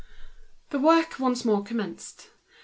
The work once more commenced.